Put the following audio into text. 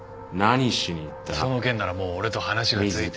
その件ならもう俺と話がついてる。